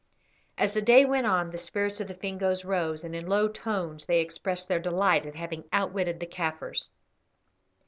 As the day went on the spirits of the Fingoes rose, and in low tones they expressed their delight at having outwitted the Kaffirs.